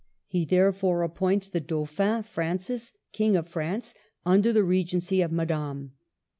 He therefore appoints the Dauphin Francis, King of France, under the regency of Madame.